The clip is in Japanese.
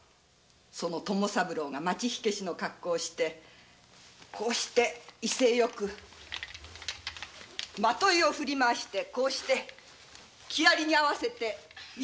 その友三郎が町火消しの格好をしてこうして威勢よくマトイを振り回してこうして「木遣り」に合わせて威勢よく。